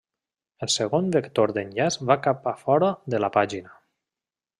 El segon vector d'enllaç va cap a fora de la pàgina.